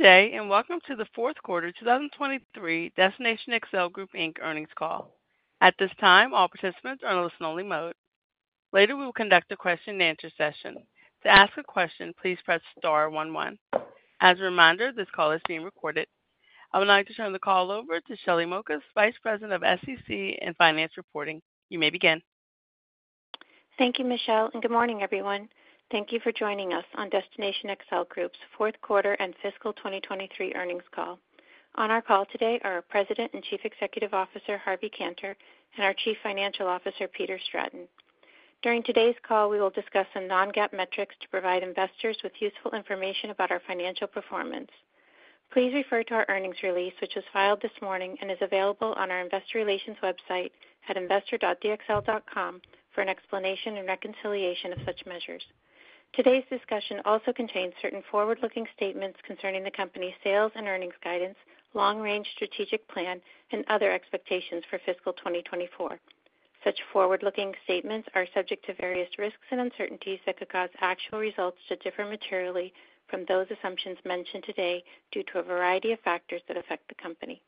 Good day, and welcome to the fourth quarter 2023 Destination XL Group Inc. earnings call. At this time, all participants are on listen-only mode. Later, we will conduct a question-and-answer session. To ask a question, please press star one, one. As a reminder, this call is being recorded. I would like to turn the call over to Shelley Mokas, Vice President of SEC and Financial Reporting. You may begin. Thank you, Michelle, and good morning, everyone. Thank you for joining us on Destination XL Group's fourth quarter and fiscal 2023 earnings call. On our call today are our President and Chief Executive Officer, Harvey Kanter, and our Chief Financial Officer, Peter Stratton. During today's call, we will discuss some non-GAAP metrics to provide investors with useful information about our financial performance. Please refer to our earnings release, which was filed this morning and is available on our investor relations website at investor.dxl.com for an explanation and reconciliation of such measures. Today's discussion also contains certain forward-looking statements concerning the company's sales and earnings guidance, long-range strategic plan, and other expectations for fiscal 2024. Such forward-looking statements are subject to various risks and uncertainties that could cause actual results to differ materially from those assumptions mentioned today due to a variety of factors that affect the company.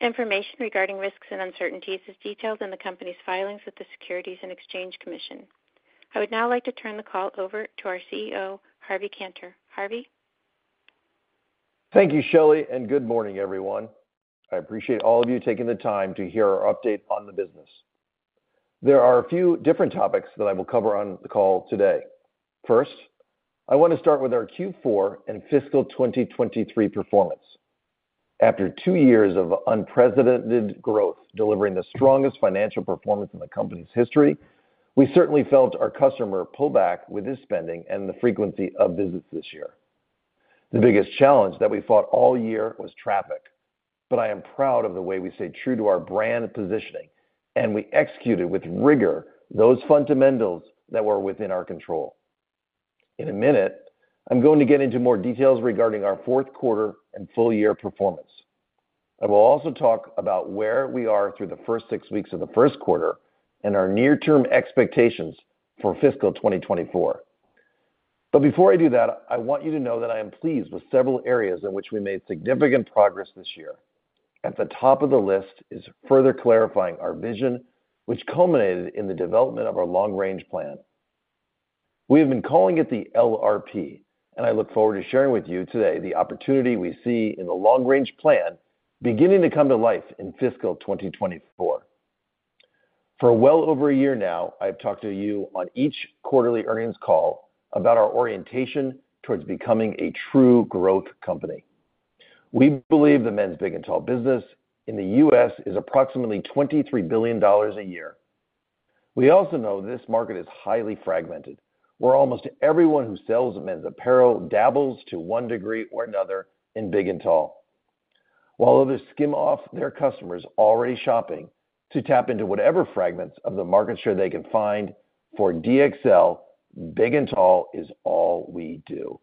Information regarding risks and uncertainties is detailed in the company's filings with the Securities and Exchange Commission. I would now like to turn the call over to our CEO, Harvey Kanter. Harvey? Thank you, Shelley, and good morning, everyone. I appreciate all of you taking the time to hear our update on the business. There are a few different topics that I will cover on the call today. First, I want to start with our Q4 and fiscal 2023 performance. After two years of unprecedented growth, delivering the strongest financial performance in the company's history, we certainly felt our customer pull back with his spending and the frequency of visits this year. The biggest challenge that we fought all year was traffic, but I am proud of the way we stayed true to our brand positioning, and we executed with rigor those fundamentals that were within our control. In a minute, I'm going to get into more details regarding our fourth quarter and full year performance. I will also talk about where we are through the first six weeks of the first quarter and our near-term expectations for fiscal 2024. But before I do that, I want you to know that I am pleased with several areas in which we made significant progress this year. At the top of the list is further clarifying our vision, which culminated in the development of our long-range plan. We have been calling it the LRP, and I look forward to sharing with you today the opportunity we see in the long-range plan beginning to come to life in fiscal 2024. For well over a year now, I've talked to you on each quarterly earnings call about our orientation towards becoming a true growth company. We believe the men's big and tall business in the U.S. is approximately $23 billion a year. We also know this market is highly fragmented, where almost everyone who sells men's apparel dabbles to one degree or another in big and tall. While others skim off their customers already shopping to tap into whatever fragments of the market share they can find, for DXL, big and tall is all we do.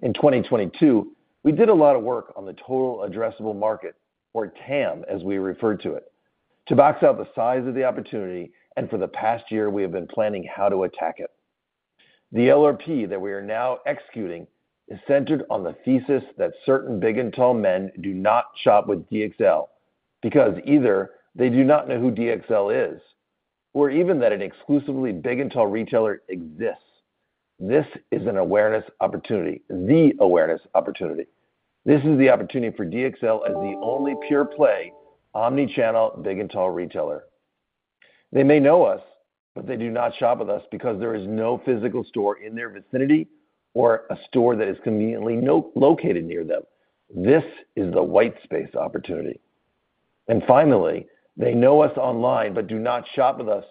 In 2022, we did a lot of work on the Total Addressable Market, or TAM, as we referred to it, to box out the size of the opportunity, and for the past year, we have been planning how to attack it. The LRP that we are now executing is centered on the thesis that certain big and tall men do not shop with DXL because either they do not know who DXL is or even that an exclusively big and tall retailer exists. This is an awareness opportunity, the awareness opportunity. This is the opportunity for DXL as the only pure-play, omni-channel, big and tall retailer. They may know us, but they do not shop with us because there is no physical store in their vicinity or a store that is conveniently located near them. This is the white space opportunity. And finally, they know us online but do not shop with us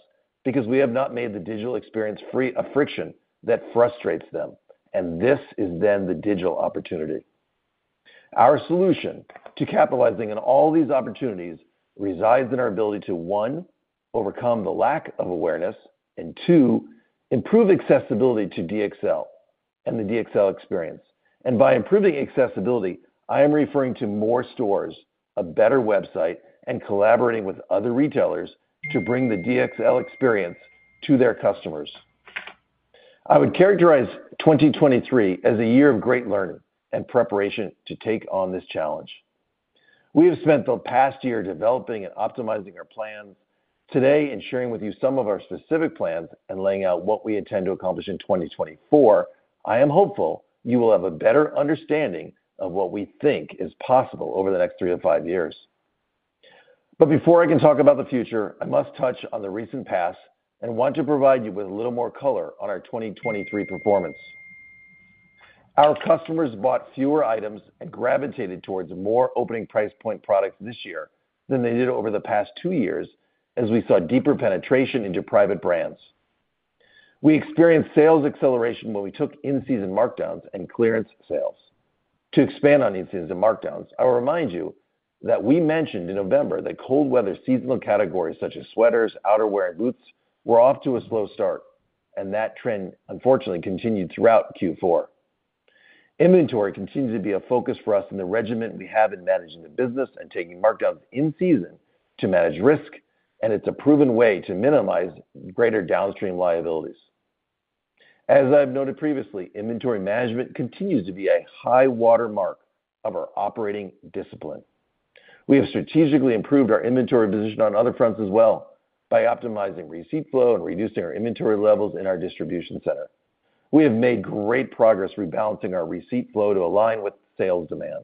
because we have not made the digital experience free of friction that frustrates them, and this is then the digital opportunity. Our solution to capitalizing on all these opportunities resides in our ability to, one, overcome the lack of awareness, and two, improve accessibility to DXL and the DXL experience. And by improving accessibility, I am referring to more stores, a better website, and collaborating with other retailers to bring the DXL experience to their customers. I would characterize 2023 as a year of great learning and preparation to take on this challenge. We have spent the past year developing and optimizing our plans. Today, in sharing with you some of our specific plans and laying out what we intend to accomplish in 2024, I am hopeful you will have a better understanding of what we think is possible over the next 3-5 years. But before I can talk about the future, I must touch on the recent past and want to provide you with a little more color on our 2023 performance. Our customers bought fewer items and gravitated towards more opening price point products this year than they did over the past 2 years, as we saw deeper penetration into private brands. We experienced sales acceleration when we took in-season markdowns and clearance sales. To expand on these in-season markdowns, I'll remind you that we mentioned in November that cold weather seasonal categories such as sweaters, outerwear, and boots were off to a slow start, and that trend unfortunately continued throughout Q4. Inventory continues to be a focus for us in the regimen we have in managing the business and taking markdowns in season to manage risk, and it's a proven way to minimize greater downstream liabilities. As I've noted previously, inventory management continues to be a high watermark of our operating discipline. We have strategically improved our inventory position on other fronts as well by optimizing receipt flow and reducing our inventory levels in our distribution center. We have made great progress rebalancing our receipt flow to align with sales demand.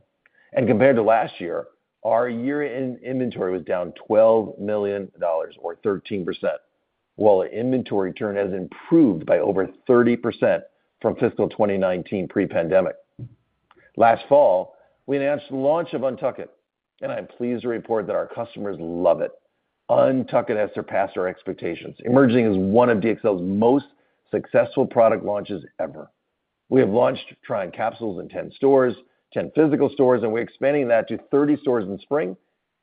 Compared to last year, our year-end inventory was down $12 million or 13%, while the inventory turn has improved by over 30% from fiscal 2019 pre-pandemic. Last fall, we announced the launch of UNTUCKit, and I'm pleased to report that our customers love it. UNTUCKit has surpassed our expectations, emerging as one of DXL's most successful product launches ever. We have launched try-on capsules in 10 stores, 10 physical stores, and we're expanding that to 30 stores in spring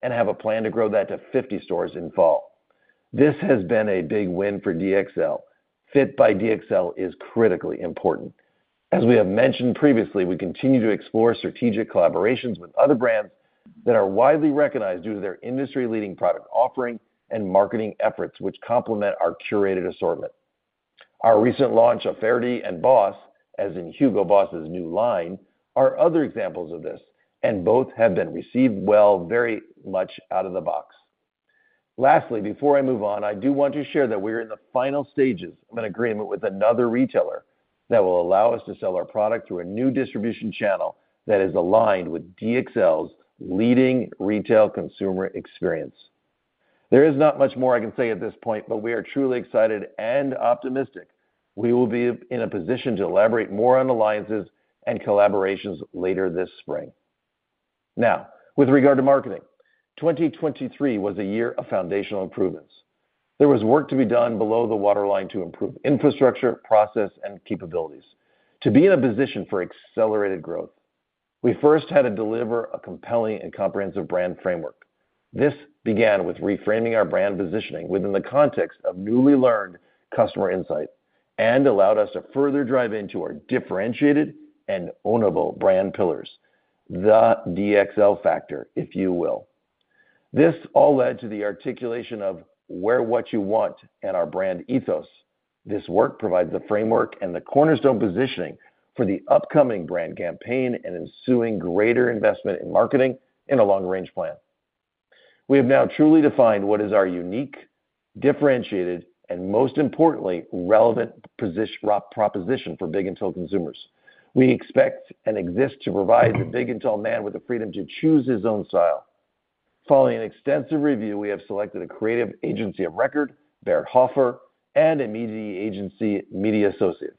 and have a plan to grow that to 50 stores in fall. This has been a big win for DXL. Fit by DXL is critically important. As we have mentioned previously, we continue to explore strategic collaborations with other brands that are widely recognized due to their industry-leading product offering and marketing efforts, which complement our curated assortment. Our recent launch of Faherty and Boss, as in Hugo Boss's new line, are other examples of this, and both have been received well, very much out of the box. Lastly, before I move on, I do want to share that we are in the final stages of an agreement with another retailer that will allow us to sell our product through a new distribution channel that is aligned with DXL's leading retail consumer experience. There is not much more I can say at this point, but we are truly excited and optimistic we will be in a position to elaborate more on alliances and collaborations later this spring. Now, with regard to marketing, 2023 was a year of foundational improvements. There was work to be done below the waterline to improve infrastructure, process, and capabilities. To be in a position for accelerated growth, we first had to deliver a compelling and comprehensive brand framework. This began with reframing our brand positioning within the context of newly learned customer insight, and allowed us to further drive into our differentiated and ownable brand pillars, the DXL Factor, if you will. This all led to the articulation of Wear What You Want and our brand ethos. This work provides the framework and the cornerstone positioning for the upcoming brand campaign and ensuing greater investment in marketing in a long range plan. We have now truly defined what is our unique, differentiated, and most importantly, relevant proposition for big and tall consumers. We expect and exist to provide the big and tall man with the freedom to choose his own style. Following an extensive review, we have selected a creative agency of record, Barrett Hofherr, and a media agency, Mediassociates.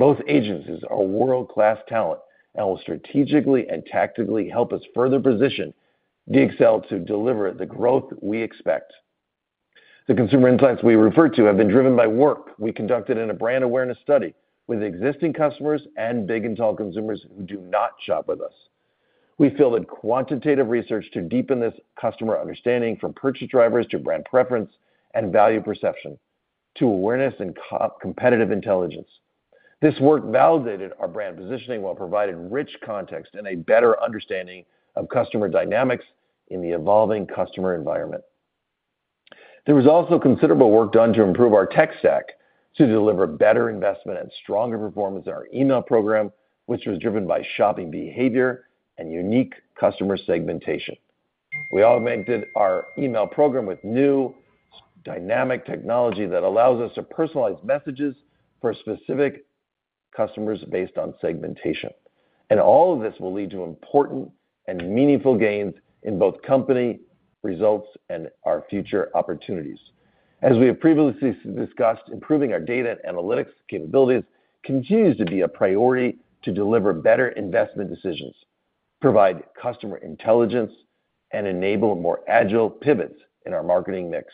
Both agencies are world-class talent and will strategically and tactically help us further position DXL to deliver the growth we expect. The consumer insights we referred to have been driven by work we conducted in a brand awareness study with existing customers and big and tall consumers who do not shop with us. We feel that quantitative research to deepen this customer understanding, from purchase drivers to brand preference and value perception, to awareness and competitive intelligence. This work validated our brand positioning while providing rich context and a better understanding of customer dynamics in the evolving customer environment. There was also considerable work done to improve our tech stack to deliver better investment and stronger performance in our email program, which was driven by shopping behavior and unique customer segmentation. We augmented our email program with new dynamic technology that allows us to personalize messages for specific customers based on segmentation. All of this will lead to important and meaningful gains in both company results and our future opportunities. As we have previously discussed, improving our data and analytics capabilities continues to be a priority to deliver better investment decisions, provide customer intelligence, and enable more agile pivots in our marketing mix.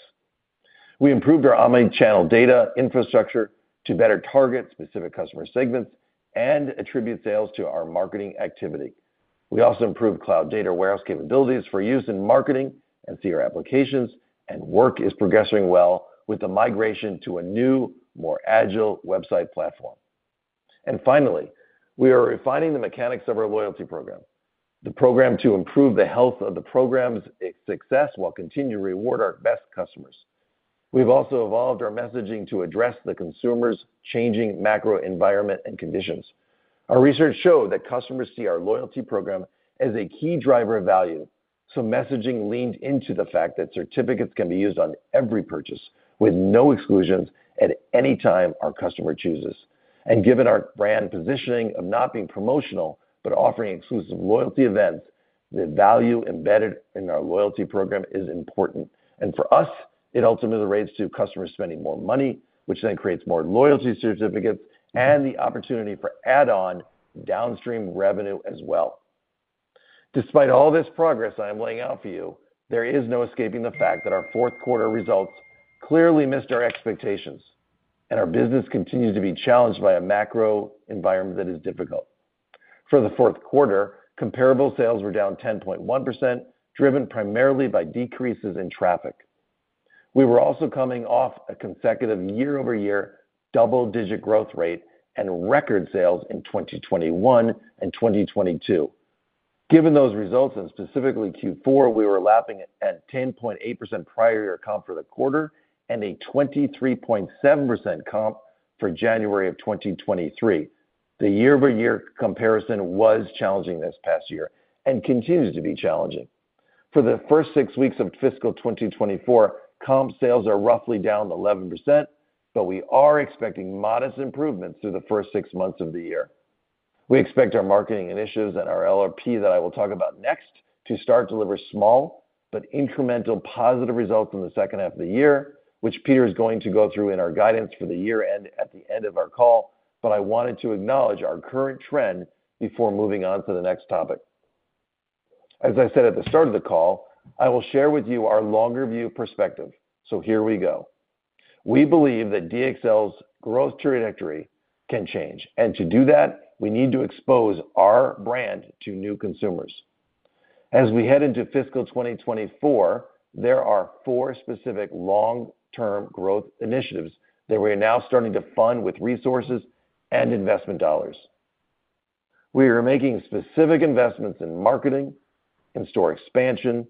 We improved our online channel data infrastructure to better target specific customer segments and attribute sales to our marketing activity. We also improved cloud data warehouse capabilities for use in marketing and CR applications, and work is progressing well with the migration to a new, more agile website platform. Finally, we are refining the mechanics of our loyalty program, the program to improve the health of the program's success, while continuing to reward our best customers. We've also evolved our messaging to address the consumer's changing macro environment and conditions. Our research showed that customers see our loyalty program as a key driver of value, so messaging leaned into the fact that certificates can be used on every purchase with no exclusions at any time our customer chooses. Given our brand positioning of not being promotional, but offering exclusive loyalty events, the value embedded in our loyalty program is important. For us, it ultimately relates to customers spending more money, which then creates more loyalty certificates and the opportunity for add-on downstream revenue as well. Despite all this progress I am laying out for you, there is no escaping the fact that our fourth quarter results clearly missed our expectations, and our business continues to be challenged by a macro environment that is difficult. For the fourth quarter, comparable sales were down 10.1%, driven primarily by decreases in traffic. We were also coming off a consecutive year-over-year double-digit growth rate and record sales in 2021 and 2022. Given those results, and specifically Q4, we were lapping at 10.8% prior year comp for the quarter and a 23.7% comp for January of 2023. The year-over-year comparison was challenging this past year and continues to be challenging. For the first 6 weeks of fiscal 2024, comp sales are roughly down 11%, but we are expecting modest improvements through the first 6 months of the year. We expect our marketing initiatives and our LRP, that I will talk about next, to start to deliver small but incremental positive results in the second half of the year, which Peter is going to go through in our guidance for the year-end at the end of our call, but I wanted to acknowledge our current trend before moving on to the next topic. As I said at the start of the call, I will share with you our longer view perspective. Here we go. We believe that DXL's growth trajectory can change, and to do that, we need to expose our brand to new consumers. As we head into fiscal 2024, there are four specific long-term growth initiatives that we are now starting to fund with resources and investment dollars. We are making specific investments in marketing, in store expansion,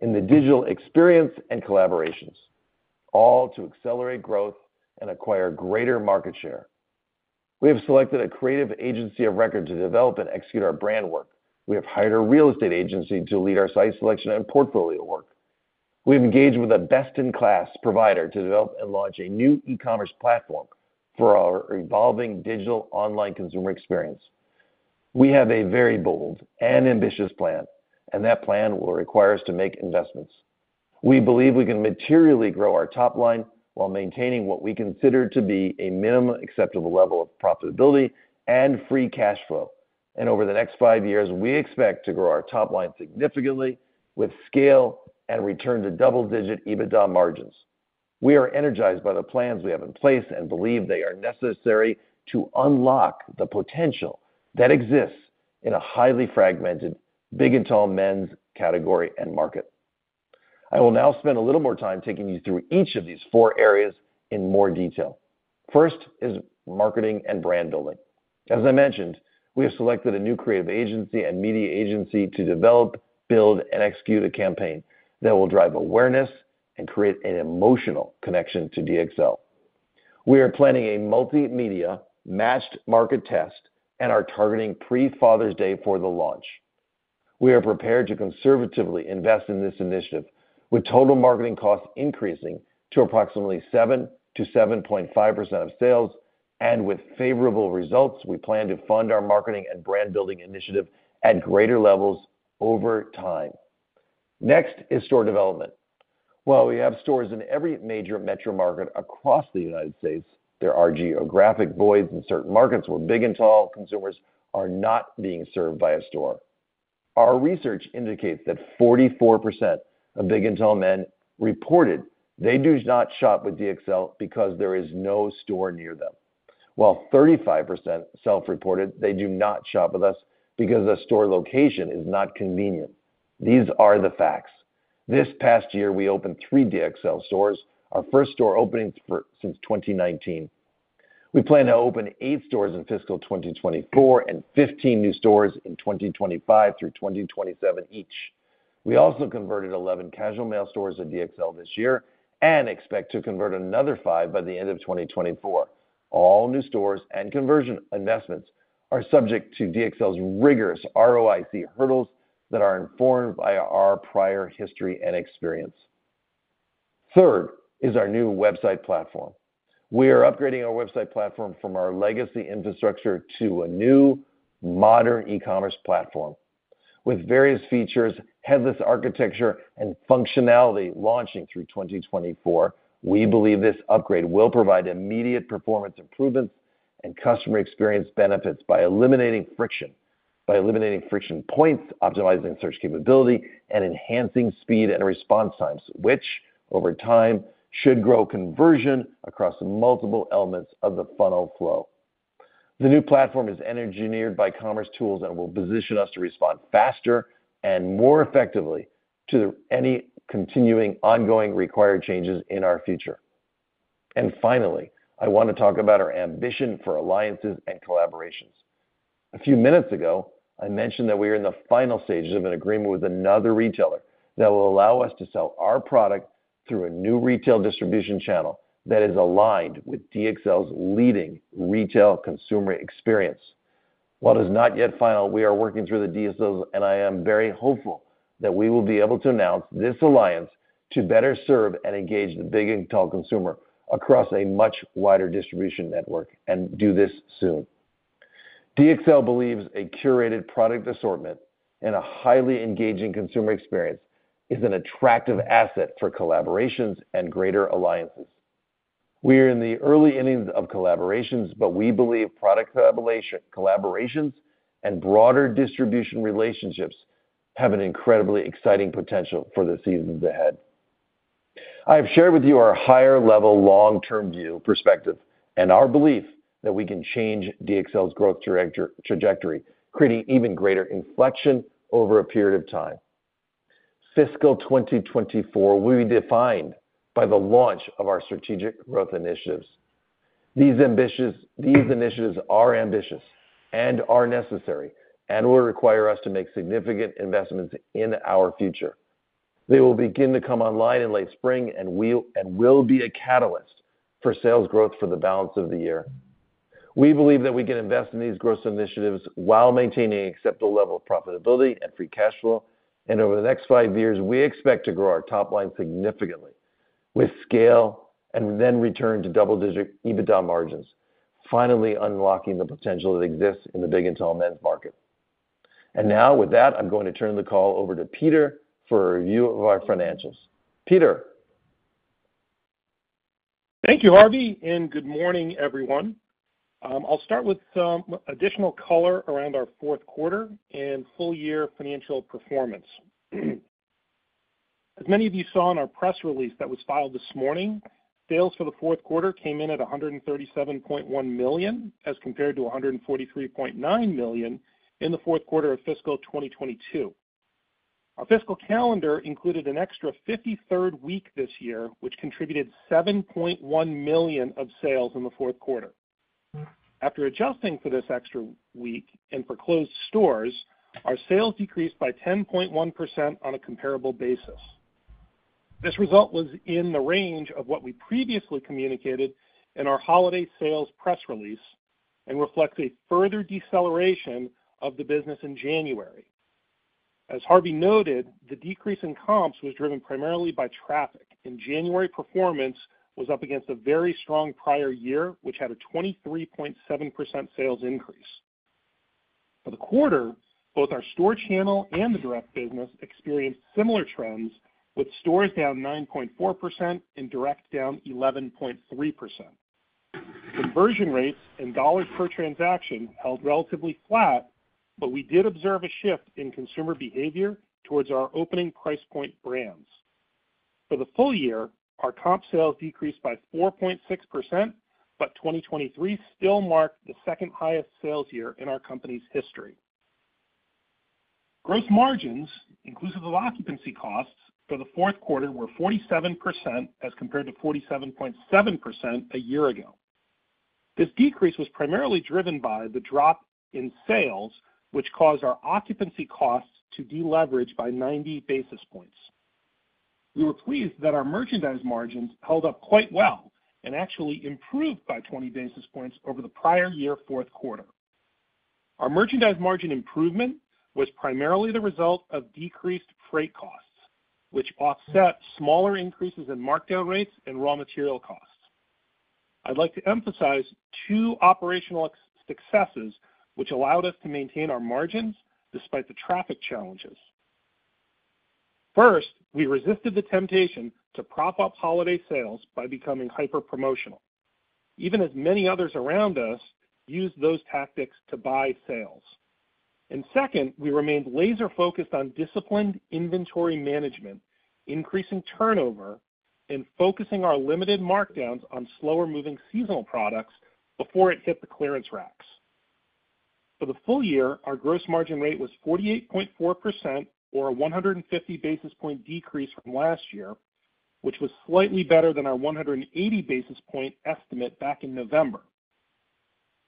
in the digital experience, and collaborations, all to accelerate growth and acquire greater market share. We have selected a creative agency of record to develop and execute our brand work. We have hired a real estate agency to lead our site selection and portfolio work. We have engaged with a best-in-class provider to develop and launch a new e-commerce platform for our evolving digital online consumer experience. We have a very bold and ambitious plan, and that plan will require us to make investments. We believe we can materially grow our top line while maintaining what we consider to be a minimum acceptable level of profitability and free cash flow. Over the next five years, we expect to grow our top line significantly with scale and return to double-digit EBITDA margins. We are energized by the plans we have in place and believe they are necessary to unlock the potential that exists in a highly fragmented, big and tall men's category and market. I will now spend a little more time taking you through each of these four areas in more detail. First is marketing and brand building. As I mentioned, we have selected a new creative agency and media agency to develop, build, and execute a campaign that will drive awareness and create an emotional connection to DXL. We are planning a multimedia matched market test and are targeting pre-Father's Day for the launch. We are prepared to conservatively invest in this initiative, with total marketing costs increasing to approximately 7%-7.5% of sales, and with favorable results, we plan to fund our marketing and brand building initiative at greater levels over time. Next is store development. While we have stores in every major metro market across the United States, there are geographic voids in certain markets where big and tall consumers are not being served by a store. Our research indicates that 44% of big and tall men reported they do not shop with DXL because there is no store near them, while 35% self-reported they do not shop with us because the store location is not convenient. These are the facts. This past year, we opened 3 DXL stores, our first store openings since 2019. We plan to open 8 stores in fiscal 2024 and 15 new stores in 2025 through 2027 each. We also converted 11 Casual Male stores to DXL this year and expect to convert another 5 by the end of 2024. All new stores and conversion investments are subject to DXL's rigorous ROIC hurdles that are informed by our prior history and experience. Third is our new website platform. We are upgrading our website platform from our legacy infrastructure to a new, modern e-commerce platform. With various features, headless architecture, and functionality launching through 2024, we believe this upgrade will provide immediate performance improvements and customer experience benefits by eliminating friction points, optimizing search capability, and enhancing speed and response times, which over time, should grow conversion across multiple elements of the funnel flow. The new platform is engineered by commercetools and will position us to respond faster and more effectively to any continuing, ongoing required changes in our future. Finally, I want to talk about our ambition for alliances and collaborations. A few minutes ago, I mentioned that we are in the final stages of an agreement with another retailer that will allow us to sell our product through a new retail distribution channel that is aligned with DXL's leading retail consumer experience. While it is not yet final, we are working through the details, and I am very hopeful that we will be able to announce this alliance to better serve and engage the big and tall consumer across a much wider distribution network, and do this soon. DXL believes a curated product assortment and a highly engaging consumer experience is an attractive asset for collaborations and greater alliances. We are in the early innings of collaborations, but we believe product collaborations and broader distribution relationships have an incredibly exciting potential for the seasons ahead. I have shared with you our higher level, long-term view perspective and our belief that we can change DXL's growth trajectory, creating even greater inflection over a period of time. Fiscal 2024 will be defined by the launch of our strategic growth initiatives. These initiatives are ambitious and are necessary and will require us to make significant investments in our future. They will begin to come online in late spring and will be a catalyst for sales growth for the balance of the year. We believe that we can invest in these growth initiatives while maintaining an acceptable level of profitability and free cash flow. Over the next five years, we expect to grow our top line significantly with scale and then return to double-digit EBITDA margins, finally unlocking the potential that exists in the big and tall men's market. Now, with that, I'm going to turn the call over to Peter for a review of our financials. Peter? Thank you, Harvey, and good morning, everyone. I'll start with some additional color around our fourth quarter and full year financial performance. As many of you saw in our press release that was filed this morning, sales for the fourth quarter came in at $137.1 million, as compared to $143.9 million in the fourth quarter of fiscal 2022. Our fiscal calendar included an extra 53rd week this year, which contributed $7.1 million of sales in the fourth quarter. After adjusting for this extra week and for closed stores, our sales decreased by 10.1% on a comparable basis. This result was in the range of what we previously communicated in our holiday sales press release and reflects a further deceleration of the business in January. As Harvey noted, the decrease in comps was driven primarily by traffic, and January performance was up against a very strong prior year, which had a 23.7% sales increase. For the quarter, both our store channel and the direct business experienced similar trends, with stores down 9.4% and direct down 11.3%. Conversion rates and dollars per transaction held relatively flat, but we did observe a shift in consumer behavior towards our opening price point brands. For the full year, our comp sales decreased by 4.6%, but 2023 still marked the second highest sales year in our company's history. Gross margins, inclusive of occupancy costs for the fourth quarter, were 47%, as compared to 47.7% a year ago. This decrease was primarily driven by the drop in sales, which caused our occupancy costs to deleverage by 90 basis points. We were pleased that our merchandise margins held up quite well and actually improved by 20 basis points over the prior year, fourth quarter. Our merchandise margin improvement was primarily the result of decreased freight costs, which offset smaller increases in markdown rates and raw material costs. I'd like to emphasize two operational successes, which allowed us to maintain our margins despite the traffic challenges. First, we resisted the temptation to prop up holiday sales by becoming hyper promotional, even as many others around us used those tactics to buy sales. And second, we remained laser focused on disciplined inventory management, increasing turnover and focusing our limited markdowns on slower moving seasonal products before it hit the clearance racks. For the full year, our gross margin rate was 48.4%, or a 150 basis point decrease from last year, which was slightly better than our 180 basis point estimate back in November.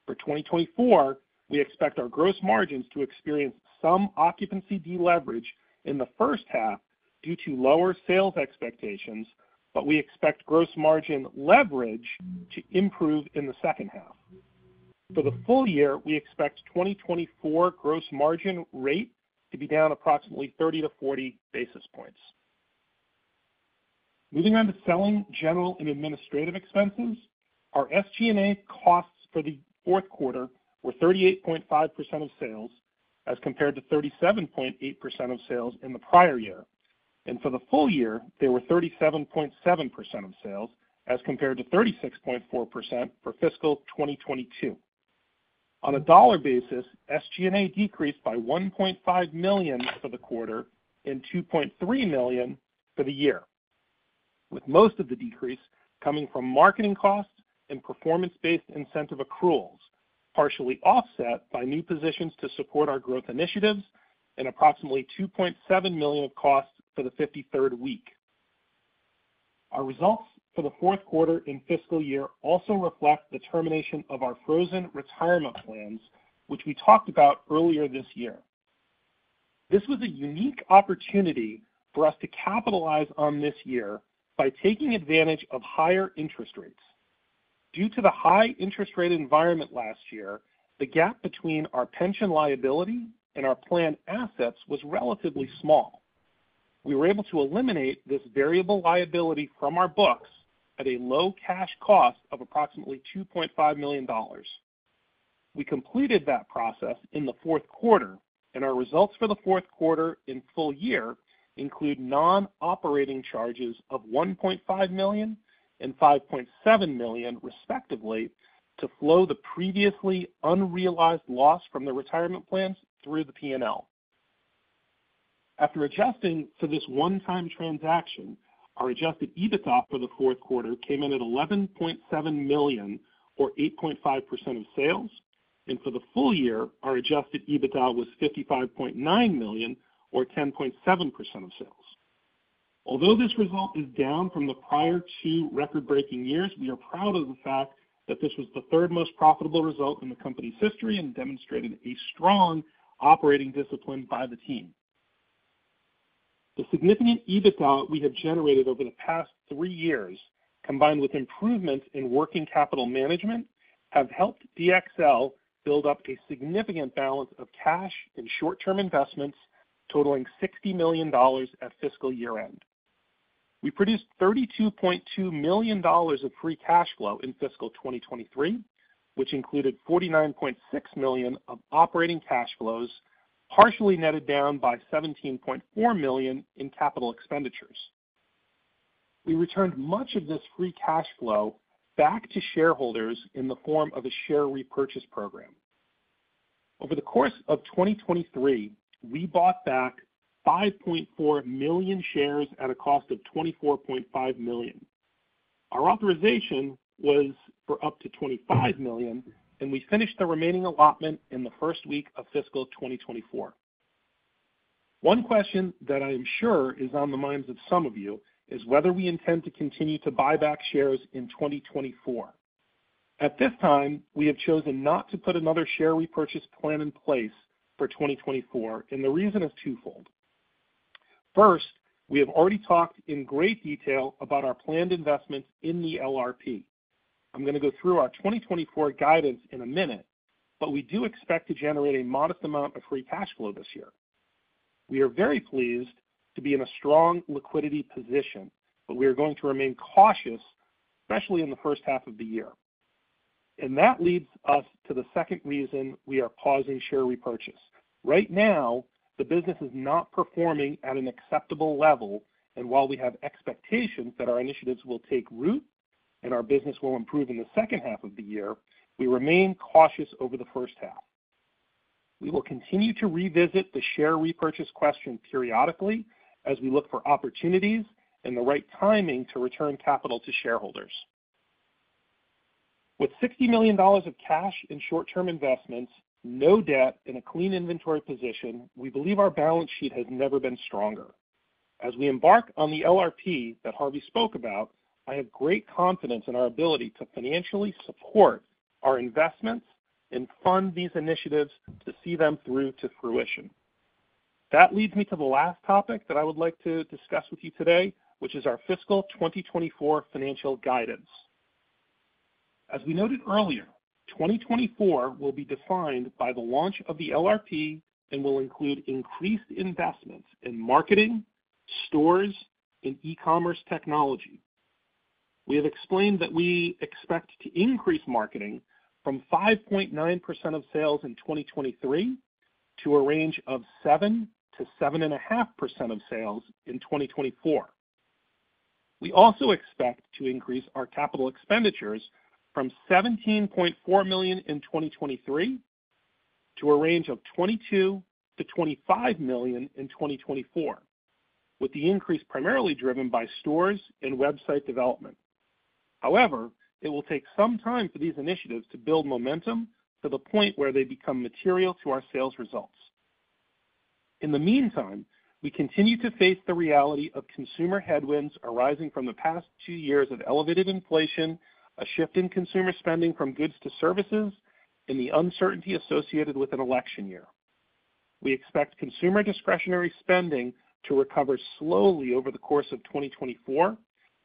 For 2024, we expect our gross margins to experience some occupancy deleverage in the first half due to lower sales expectations, but we expect gross margin leverage to improve in the second half. For the full year, we expect 2024 gross margin rate to be down approximately 30-40 basis points. Moving on to selling, general and administrative expenses. Our SG&A costs for the fourth quarter were 38.5% of sales, as compared to 37.8% of sales in the prior year. For the full year, they were 37.7% of sales, as compared to 36.4% for fiscal 2022. On a dollar basis, SG&A decreased by $1.5 million for the quarter and $2.3 million for the year, with most of the decrease coming from marketing costs and performance-based incentive accruals, partially offset by new positions to support our growth initiatives and approximately $2.7 million of costs for the 53rd week. Our results for the fourth quarter and fiscal year also reflect the termination of our frozen retirement plans, which we talked about earlier this year. This was a unique opportunity for us to capitalize on this year by taking advantage of higher interest rates. Due to the high interest rate environment last year, the gap between our pension liability and our plan assets was relatively small. We were able to eliminate this variable liability from our books at a low cash cost of approximately $2.5 million. We completed that process in the fourth quarter, and our results for the fourth quarter in full year include non-operating charges of $1.5 million and $5.7 million, respectively, to flow the previously unrealized loss from the retirement plans through the P&L. After adjusting for this one-time transaction, our Adjusted EBITDA for the fourth quarter came in at $11.7 million, or 8.5% of sales, and for the full year, our Adjusted EBITDA was $55.9 million, or 10.7% of sales. Although this result is down from the prior two record-breaking years, we are proud of the fact that this was the third most profitable result in the company's history and demonstrated a strong operating discipline by the team. The significant EBITDA we have generated over the past three years, combined with improvements in working capital management, have helped DXL build up a significant balance of cash and short-term investments totaling $60 million at fiscal year-end. We produced $32.2 million of free cash flow in fiscal 2023, which included $49.6 million of operating cash flows, partially netted down by $17.4 million in capital expenditures. We returned much of this free cash flow back to shareholders in the form of a share repurchase program. Over the course of 2023, we bought back 5.4 million shares at a cost of $24.5 million. Our authorization was for up to 25 million, and we finished the remaining allotment in the first week of fiscal 2024. One question that I am sure is on the minds of some of you is whether we intend to continue to buy back shares in 2024. At this time, we have chosen not to put another share repurchase plan in place for 2024, and the reason is twofold. First, we have already talked in great detail about our planned investments in the LRP. I'm gonna go through our 2024 guidance in a minute, but we do expect to generate a modest amount of free cash flow this year. We are very pleased to be in a strong liquidity position, but we are going to remain cautious, especially in the first half of the year. That leads us to the second reason we are pausing share repurchase. Right now, the business is not performing at an acceptable level, and while we have expectations that our initiatives will take root and our business will improve in the second half of the year, we remain cautious over the first half. We will continue to revisit the share repurchase question periodically as we look for opportunities and the right timing to return capital to shareholders. With $60 million of cash and short-term investments, no debt, and a clean inventory position, we believe our balance sheet has never been stronger. As we embark on the LRP that Harvey spoke about, I have great confidence in our ability to financially support our investments and fund these initiatives to see them through to fruition. That leads me to the last topic that I would like to discuss with you today, which is our fiscal 2024 financial guidance. As we noted earlier, 2024 will be defined by the launch of the LRP and will include increased investments in marketing, stores, and e-commerce technology. We have explained that we expect to increase marketing from 5.9% of sales in 2023 to a range of 7%-7.5% of sales in 2024. We also expect to increase our capital expenditures from $17.4 million in 2023 to a range of $22 million-$25 million in 2024, with the increase primarily driven by stores and website development. However, it will take some time for these initiatives to build momentum to the point where they become material to our sales results. In the meantime, we continue to face the reality of consumer headwinds arising from the past two years of elevated inflation, a shift in consumer spending from goods to services, and the uncertainty associated with an election year. We expect consumer discretionary spending to recover slowly over the course of 2024,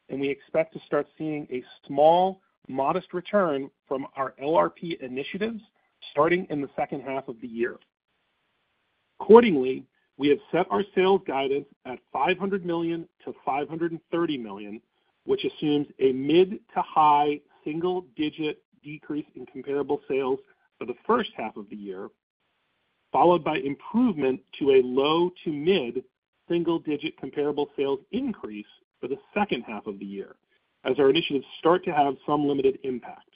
and we expect to start seeing a small, modest return from our LRP initiatives starting in the second half of the year. Accordingly, we have set our sales guidance at $500 million-$530 million, which assumes a mid to high single digit decrease in comparable sales for the first half of the year, followed by improvement to a low to mid single digit comparable sales increase for the second half of the year as our initiatives start to have some limited impact.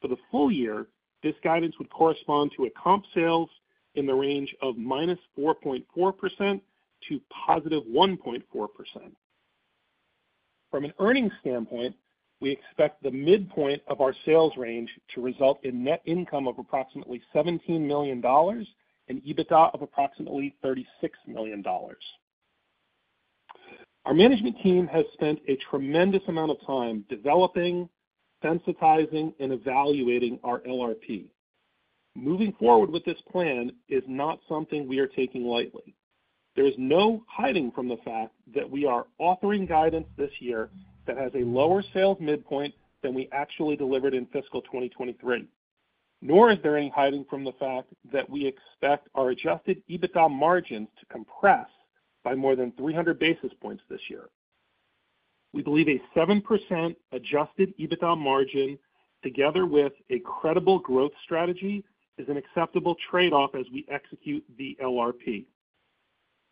For the full year, this guidance would correspond to a comp sales in the range of -4.4% to +1.4%. From an earnings standpoint, we expect the midpoint of our sales range to result in net income of approximately $17 million and EBITDA of approximately $36 million. Our management team has spent a tremendous amount of time developing, sensitizing, and evaluating our LRP. Moving forward with this plan is not something we are taking lightly. There is no hiding from the fact that we are authoring guidance this year that has a lower sales midpoint than we actually delivered in fiscal 2023. Nor is there any hiding from the fact that we expect our Adjusted EBITDA margins to compress by more than 300 basis points this year. We believe a 7% Adjusted EBITDA margin, together with a credible growth strategy, is an acceptable trade-off as we execute the LRP.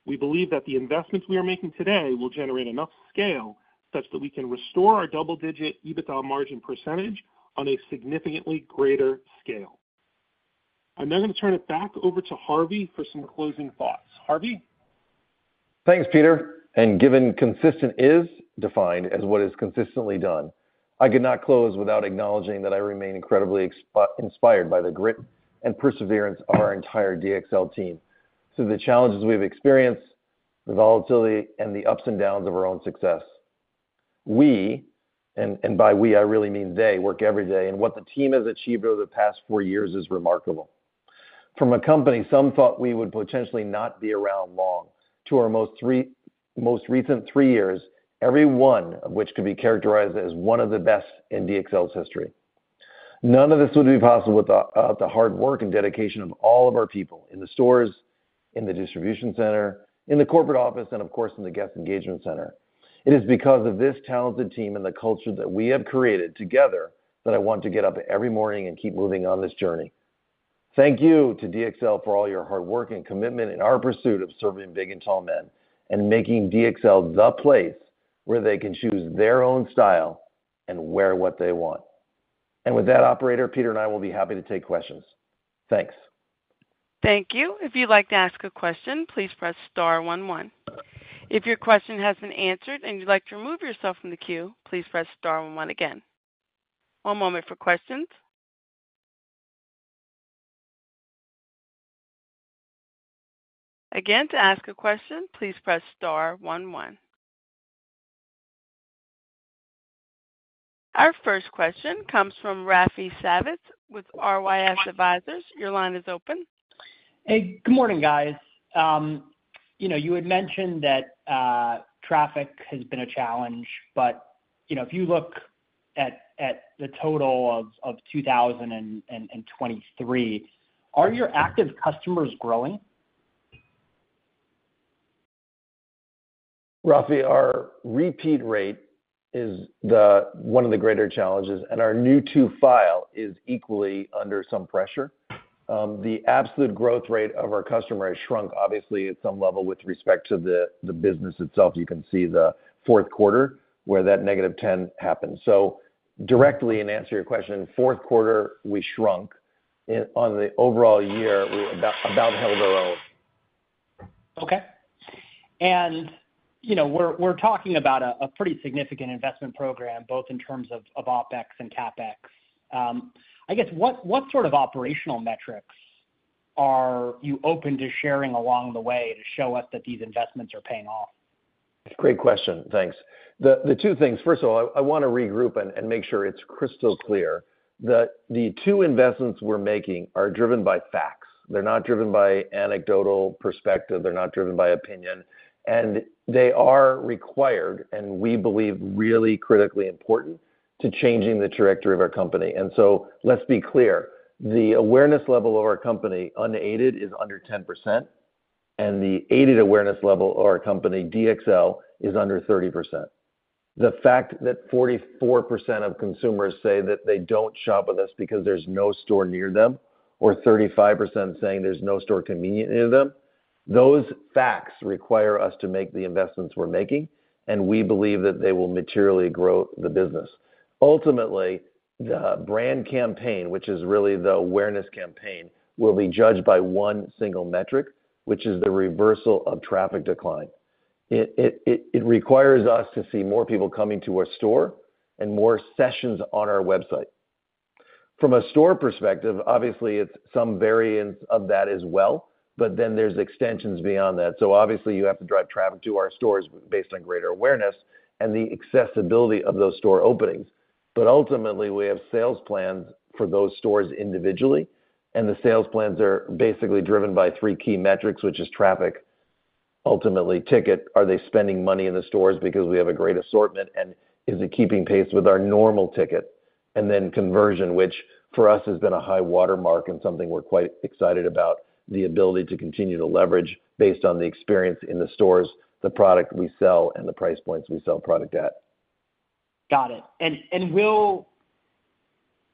We believe that the investments we are making today will generate enough scale such that we can restore our double-digit EBITDA margin percentage on a significantly greater scale. I'm now going to turn it back over to Harvey for some closing thoughts. Harvey? ... Thanks, Peter. And given consistent is defined as what is consistently done, I could not close without acknowledging that I remain incredibly inspired by the grit and perseverance of our entire DXL team through the challenges we've experienced, the volatility, and the ups and downs of our own success. We, and, and by we, I really mean they, work every day, and what the team has achieved over the past 4 years is remarkable. From a company, some thought we would potentially not be around long to our most recent 3 years, every one of which could be characterized as one of the best in DXL's history. None of this would be possible without the hard work and dedication of all of our people in the stores, in the distribution center, in the corporate office, and of course, in the Guest Engagement Center. It is because of this talented team and the culture that we have created together, that I want to get up every morning and keep moving on this journey. Thank you to DXL for all your hard work and commitment in our pursuit of serving big and tall men, and making DXL the place where they can choose their own style and wear what they want. With that operator, Peter and I will be happy to take questions. Thanks. Thank you. If you'd like to ask a question, please press star one, one. If your question has been answered and you'd like to remove yourself from the queue, please press star one one again. One moment for questions. Again, to ask a question, please press star one, one. Our first question comes from Rafi Savitz with RYS Advisors. Your line is open. Hey, good morning, guys. You know, you had mentioned that traffic has been a challenge, but, you know, if you look at the total of 2023, are your active customers growing? Rafi, our repeat rate is the one of the greater challenges, and our new to file is equally under some pressure. The absolute growth rate of our customer has shrunk, obviously, at some level, with respect to the business itself. You can see the fourth quarter where that -10 happened. So directly, and to answer your question, fourth quarter, we shrunk. On the overall year, about held our own. Okay. You know, we're talking about a pretty significant investment program, both in terms of OpEx and CapEx. I guess, what sort of operational metrics are you open to sharing along the way to show us that these investments are paying off? Great question. Thanks. The two things. First of all, I want to regroup and make sure it's crystal clear that the two investments we're making are driven by facts. They're not driven by anecdotal perspective, they're not driven by opinion, and they are required, and we believe, really critically important to changing the trajectory of our company. And so let's be clear, the awareness level of our company, unaided, is under 10%, and the aided awareness level of our company, DXL, is under 30%. The fact that 44% of consumers say that they don't shop with us because there's no store near them, or 35% saying there's no store convenient near them, those facts require us to make the investments we're making, and we believe that they will materially grow the business. Ultimately, the brand campaign, which is really the awareness campaign, will be judged by one single metric, which is the reversal of traffic decline. It requires us to see more people coming to our store and more sessions on our website. From a store perspective, obviously, it's some variance of that as well, but then there's extensions beyond that. So obviously, you have to drive traffic to our stores based on greater awareness and the accessibility of those store openings. But ultimately, we have sales plans for those stores individually, and the sales plans are basically driven by three key metrics, which is traffic, ultimately, ticket. Are they spending money in the stores because we have a great assortment, and is it keeping pace with our normal ticket? And then conversion, which for us has been a high watermark and something we're quite excited about, the ability to continue to leverage based on the experience in the stores, the product we sell, and the price points we sell product at. Got it. Will...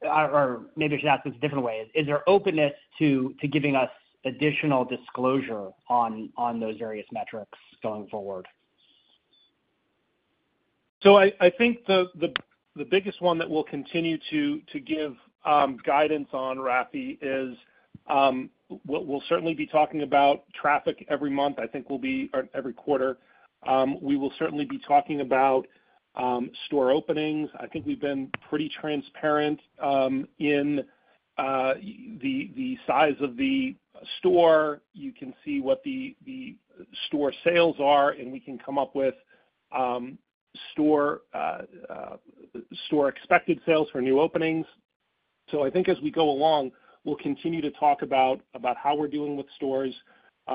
Or maybe I should ask this a different way. Is there openness to giving us additional disclosure on those various metrics going forward? So I think the biggest one that we'll continue to give guidance on, Rafi, is we'll certainly be talking about traffic every month. I think we'll be... Or every quarter. We will certainly be talking about store openings. I think we've been pretty transparent in the size of the store. You can see what the store sales are, and we can come up with store expected sales for new openings. So I think as we go along, we'll continue to talk about how we're doing with stores.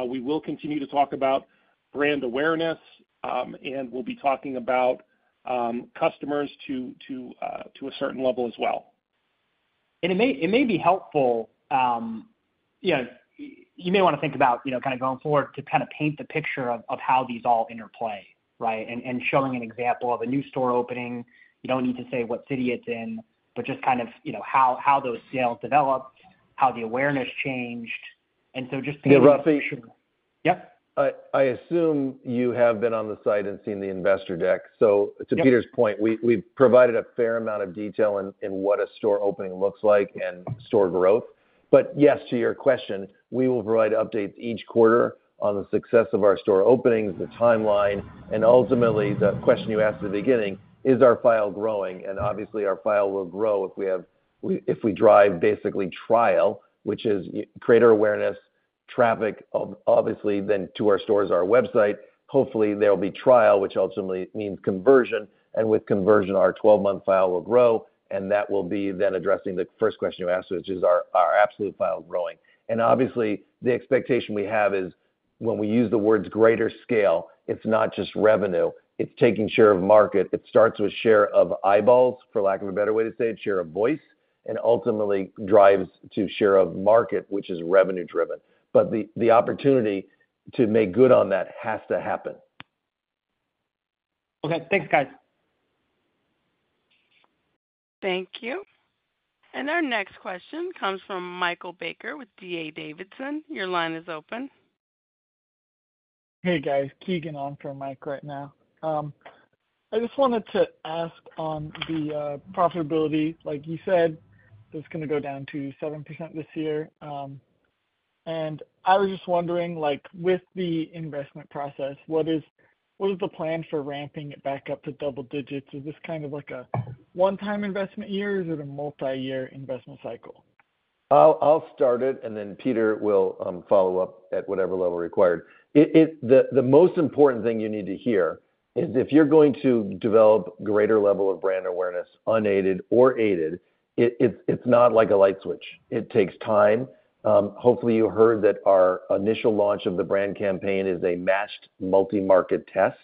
We will continue to talk about brand awareness, and we'll be talking about customers to a certain level as well. It may, it may be helpful, you know, you may want to think about, you know, kind of going forward to kind of paint the picture of how these all interplay, right? Showing an example of a new store opening. You don't need to say what city it's in, but just kind of, you know, how those sales developed, how the awareness changed, and so just-... Yep. I assume you have been on the site and seen the investor deck. So- Yep. To Peter's point, we, we've provided a fair amount of detail in, in what a store opening looks like and store growth. But yes, to your question, we will provide updates each quarter on the success of our store openings, the timeline, and ultimately, the question you asked at the beginning, is our file growing? And obviously, our file will grow if we drive basically trial, which is greater awareness, traffic, obviously, then to our stores, our website. Hopefully, there will be trial, which ultimately means conversion, and with conversion, our twelve-month file will grow, and that will be then addressing the first question you asked, which is, our absolute files growing? And obviously, the expectation we have is when we use the words greater scale, it's not just revenue, it's taking share of market. It starts with share of eyeballs, for lack of a better way to say it, share of voice, and ultimately drives to share of market, which is revenue-driven. But the opportunity to make good on that has to happen. Okay. Thanks, guys. Thank you. Our next question comes from Michael Baker with D.A. Davidson. Your line is open. Hey, guys. Keegan on for Mike right now. I just wanted to ask on the, profitability, like you said, it's gonna go down to 7% this year. And I was just wondering, like, with the investment process, what is, what is the plan for ramping it back up to double digits? Is this kind of like a one-time investment year, or is it a multi-year investment cycle? I'll start it, and then Peter will follow up at whatever level required. The most important thing you need to hear is if you're going to develop greater level of brand awareness, unaided or aided, it's not like a light switch. It takes time. Hopefully, you heard that our initial launch of the brand campaign is a matched multi-market test.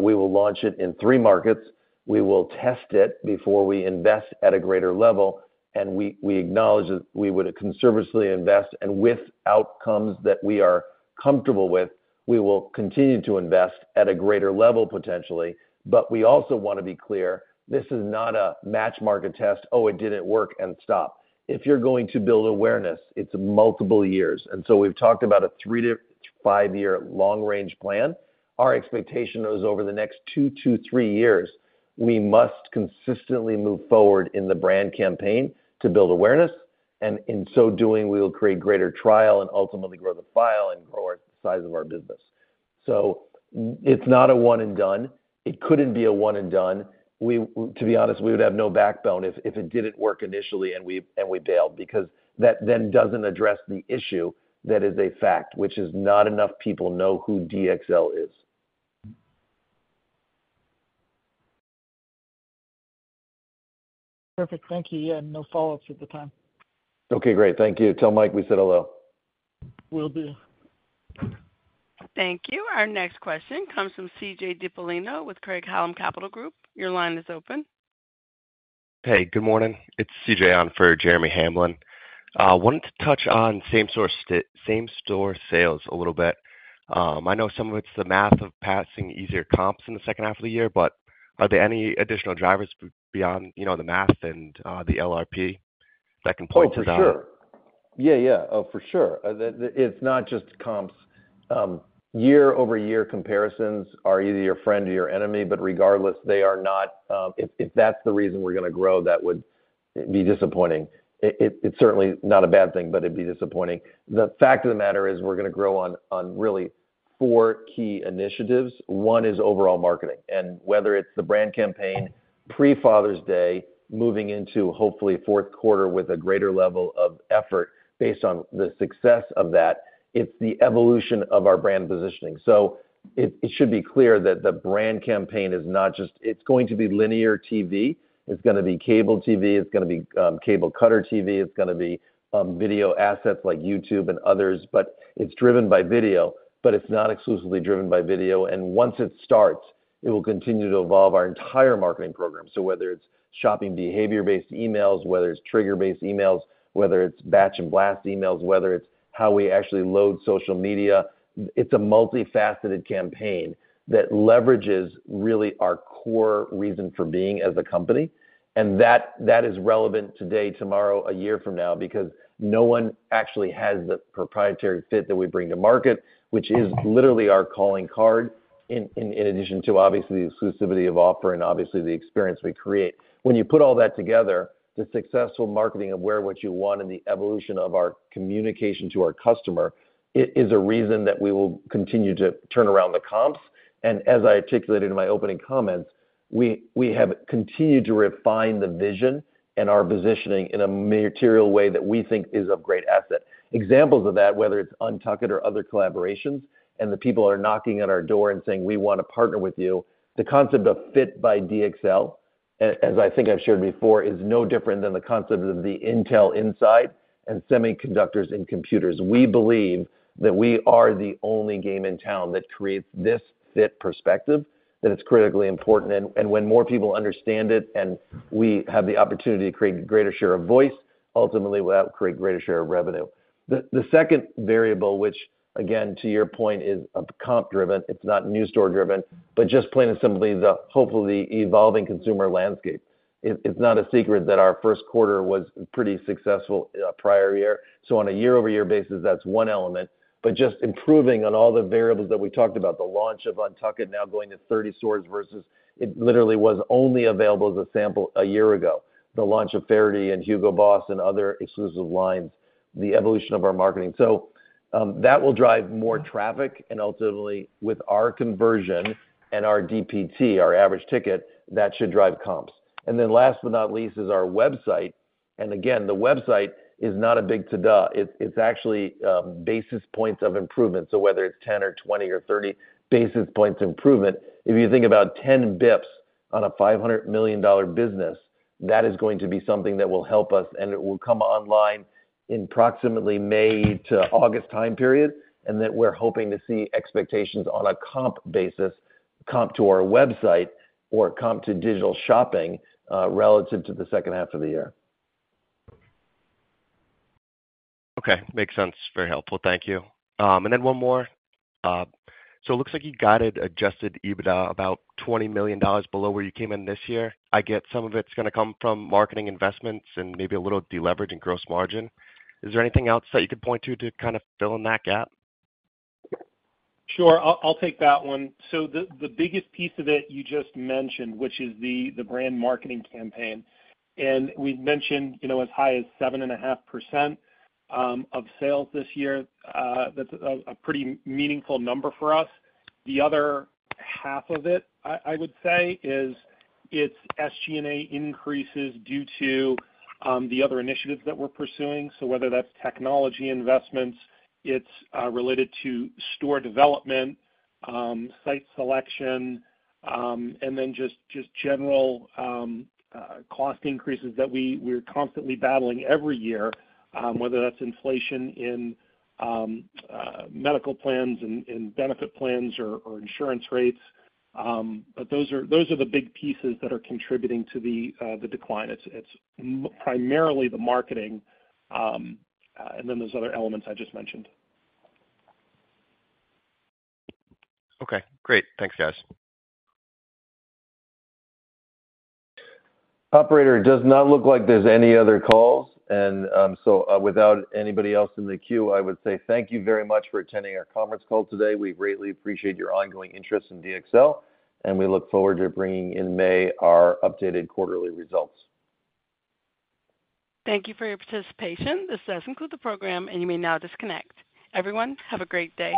We will launch it in three markets. We will test it before we invest at a greater level, and we acknowledge that we would conservatively invest, and with outcomes that we are comfortable with, we will continue to invest at a greater level, potentially. But we also want to be clear, this is not a matched market test, "Oh, it didn't work," and stop. If you're going to build awareness, it's multiple years. And so we've talked about a 3-5-year long range plan. Our expectation is over the next 2-3 years, we must consistently move forward in the brand campaign to build awareness, and in so doing, we will create greater trial and ultimately grow the file and grow our size of our business. So it's not a one and done. It couldn't be a one and done. We, to be honest, we would have no backbone if it didn't work initially and we bailed, because that then doesn't address the issue that is a fact, which is not enough people know who DXL is. Perfect. Thank you. Yeah, no follow-ups at the time. Okay, great. Thank you. Tell Mike we said hello. Will do. Thank you. Our next question comes from CJ Dipollino with Craig-Hallum Capital Group. Your line is open. Hey, good morning. It's CJ on for Jeremy Hamblin. Wanted to touch on same-store sales a little bit. I know some of it's the math of passing easier comps in the second half of the year, but are there any additional drivers beyond, you know, the math and the LRP that can pull through that? Oh, for sure. Yeah, yeah, oh, for sure. It's not just comps. Year-over-year comparisons are either your friend or your enemy, but regardless, they are not. If that's the reason we're gonna grow, that would be disappointing. It's certainly not a bad thing, but it'd be disappointing. The fact of the matter is, we're gonna grow on really four key initiatives. One is overall marketing, and whether it's the brand campaign, pre Father's Day, moving into, hopefully, fourth quarter with a greater level of effort based on the success of that, it's the evolution of our brand positioning. So it should be clear that the brand campaign is not just, it's going to be linear TV, it's gonna be cable TV, it's gonna be cable cutter TV, it's gonna be video assets like YouTube and others, but it's driven by video, but it's not exclusively driven by video, and once it starts, it will continue to evolve our entire marketing program. So whether it's shopping behavior-based emails, whether it's trigger-based emails, whether it's batch and blast emails, whether it's how we actually load social media, it's a multifaceted campaign that leverages really our core reason for being as a company, and that is relevant today, tomorrow, a year from now, because no one actually has the proprietary fit that we bring to market, which is literally our calling card, in addition to, obviously, the exclusivity of offer and obviously, the experience we create. When you put all that together, the successful marketing of Wear What You Want and the evolution of our communication to our customer, it is a reason that we will continue to turn around the comps, and as I articulated in my opening comments, we have continued to refine the vision and our positioning in a material way that we think is of great asset. Examples of that, whether it's UNTUCKit or other collaborations, and the people are knocking at our door and saying, "We want to partner with you." The concept of Fit by DXL, as I think I've shared before, is no different than the concept of the Intel Inside and semiconductors in computers. We believe that we are the only game in town that creates this fit perspective, that it's critically important. When more people understand it and we have the opportunity to create a greater share of voice, ultimately, we'll have to create a greater share of revenue. The second variable, which again, to your point, is comp driven, it's not new store driven, but just plain and simply the hopefully evolving consumer landscape. It's not a secret that our first quarter was pretty successful prior year. So on a year-over-year basis, that's one element. But just improving on all the variables that we talked about, the launch of UNTUCKit, now going to 30 stores versus it literally was only available as a sample a year ago. The launch of Faherty and Hugo Boss and other exclusive lines, the evolution of our marketing. So that will drive more traffic, and ultimately, with our conversion and our DPT, our average ticket, that should drive comps. And then last but not least, is our website. And again, the website is not a big ta-da. It, it's actually, basis points of improvement. So whether it's 10 or 20 or 30 basis points improvement, if you think about 10 bips on a $500 million business, that is going to be something that will help us, and it will come online in approximately May to August time period. And that we're hoping to see expectations on a comp basis, comp to our website or comp to digital shopping, relative to the second half of the year. Okay, makes sense. Very helpful. Thank you. And then one more. So it looks like you guided Adjusted EBITDA about $20 million below where you came in this year. I get some of it's gonna come from marketing investments and maybe a little deleveraging gross margin. Is there anything else that you could point to, to kind of fill in that gap? Sure. I'll take that one. So the biggest piece of it you just mentioned, which is the brand marketing campaign. And we've mentioned, you know, as high as 7.5% of sales this year. That's a pretty meaningful number for us. The other half of it, I would say, is it's SG&A increases due to the other initiatives that we're pursuing. So whether that's technology investments, it's related to store development, site selection, and then just general cost increases that we're constantly battling every year, whether that's inflation in medical plans, in benefit plans or insurance rates. But those are the big pieces that are contributing to the decline. It's primarily the marketing, and then those other elements I just mentioned. Okay, great. Thanks, guys. Operator, it does not look like there's any other calls. Without anybody else in the queue, I would say thank you very much for attending our conference call today. We greatly appreciate your ongoing interest in DXL, and we look forward to bringing in May our updated quarterly results. Thank you for your participation. This does conclude the program, and you may now disconnect. Everyone, have a great day.